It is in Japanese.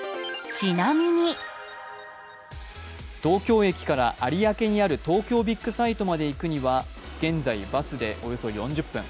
東京駅から有明にある東京ビッグサイトまで行くには現在、バスでおよそ４０分。